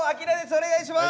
お願いします。